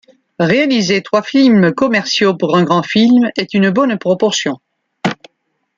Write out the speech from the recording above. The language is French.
Réaliser trois films commerciaux pour un grand film est une bonne proportion.